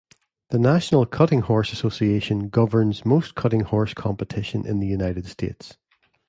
The National Cutting Horse Association governs most cutting horse competition in the United States.